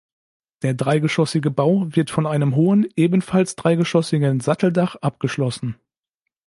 Der dreigeschossige Bau wird von einem hohen, ebenfalls dreigeschossigen Satteldach abgeschlossen.